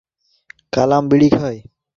আমি captain Munro.